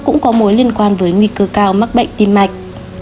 cũng có mối liên quan với nguy cơ cao mắc bệnh tim mạch